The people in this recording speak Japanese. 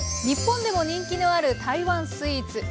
日本でも人気のある台湾スイーツ。